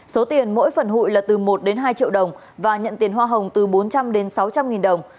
số tiền mỗi phần hụi là từ một đến hai triệu đồng và nhận tiền hoa hồng từ bốn trăm linh đến sáu trăm linh nghìn đồng